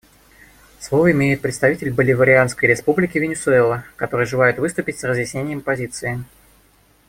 Слово имеет представитель Боливарианской Республики Венесуэла, который желает выступить с разъяснением позиции.